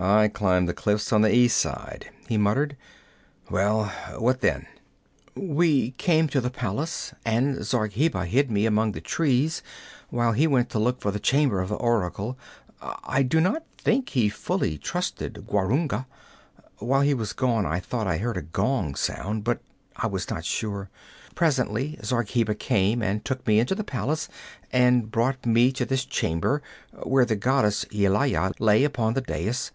'I climbed the cliffs on the east side,' he muttered. 'Well, what then?' 'We came to the palace and Zargheba hid me among the trees while he went to look for the chamber of the oracle. I do not think he fully trusted Gwarunga. While he was gone I thought I heard a gong sound, but I was not sure. Presently Zargheba came and took me into the palace and brought me to this chamber, where the goddess Yelaya lay upon the dais.